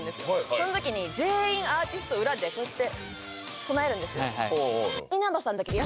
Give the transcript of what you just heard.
その時に全員アーティスト裏でこうやって備えるんですよ